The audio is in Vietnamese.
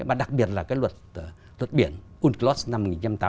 mà đặc biệt là cái luật biển unclos năm một nghìn chín trăm tám mươi hai